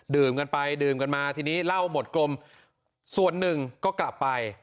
กันไปดื่มกันมาทีนี้เหล้าหมดกลมส่วนหนึ่งก็กลับไป